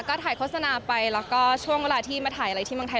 ก็ถ่ายโฆษณาไปแล้วก็ช่วงเวลาที่มาถ่ายอะไรที่เมืองไทย